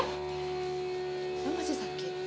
kamu masih sakit